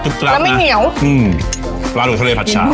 ข็อกกวหวานแล้วไม่เหนียวอืมปลาดุกทะเลผัดชา